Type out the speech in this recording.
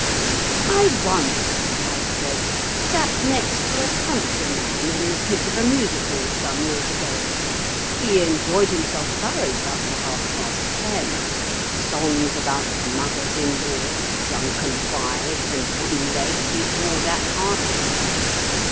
"I once," I said, "sat next to a country man in the pit of a music hall some years ago. He enjoyed himself thoroughly up to half past ten. Songs about mothers in law, drunken wives, and wooden legs he roared at heartily.